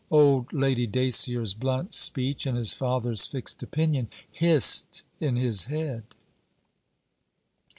Old Lady Dacier's blunt speech, and his father's fixed opinion, hissed in his head.